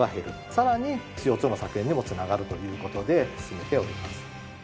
さらにＣＯ２の削減にも繋がるという事で進めております。